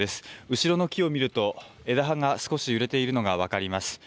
後ろの木を見ると枝葉が少し揺れているのが分かります。